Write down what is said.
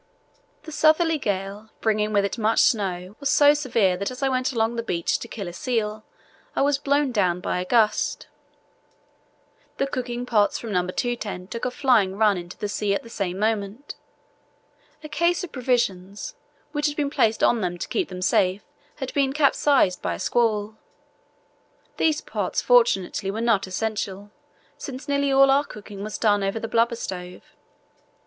The southerly gale, bringing with it much snow, was so severe that as I went along the beach to kill a seal I was blown down by a gust. The cooking pots from No. 2 tent took a flying run into the sea at the same moment. A case of provisions which had been placed on them to keep them safe had been capsized by a squall. These pots, fortunately, were not essential, since nearly all our cooking was done over the blubber stove.